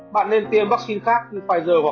bạn nên tiêm vaccine khác như pfizer hoặc moderna cho ra